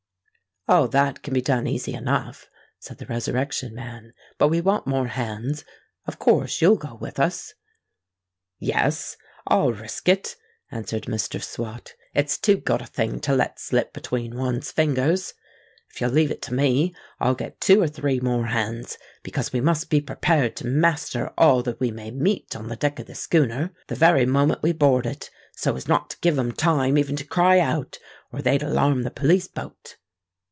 "All that can be done easy enough," said the Resurrection Man. "But we want more hands. Of course you'll go with us?" "Yes—I'll risk it," answered Mr. Swot. "It's too good a thing to let slip between one's fingers. If you'll leave it to me I'll get two or three more hands; because we must be prepared to master all that we may meet on the deck of the schooner, the very moment we board it, so as not to give 'em time even to cry out, or they'd alarm the police boat."